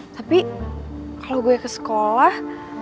tapi kalau gue ke sekolah